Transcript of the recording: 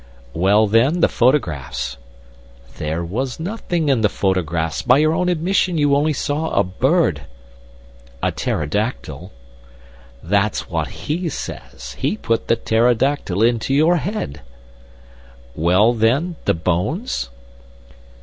"Well, then, the photographs?" "There was nothing in the photographs. By your own admission you only saw a bird." "A pterodactyl." "That's what HE says. He put the pterodactyl into your head." "Well, then, the bones?"